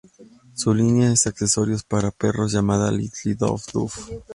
Su línea de accesorios para perros llamada "Little Dog Duff".